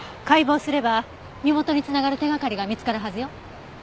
解剖すれば身元に繋がる手掛かりが見つかるはずよ。